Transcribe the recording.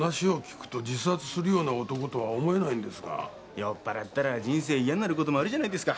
酔っ払ったら人生嫌になる事もあるじゃないですか。